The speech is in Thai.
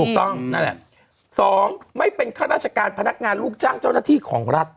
นั่นแหละสองไม่เป็นข้าราชการพนักงานลูกจ้างเจ้าหน้าที่ของรัฐ